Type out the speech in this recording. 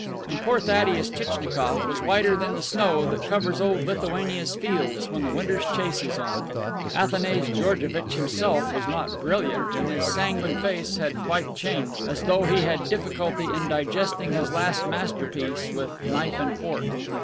And poor Thaddeus Tchitchnikoff was whiter than the snow that covers old Lithuania's fields when the winter's chase is on. Athanase Georgevitch himself was not brilliant, and his sanguine face had quite changed, as though he had difficulty in digesting his last masterpiece with knife and fork.